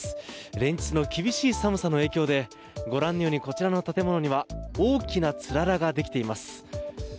連日の厳しい寒さの影響でご覧のようにこちらの建物には大きなつららができています。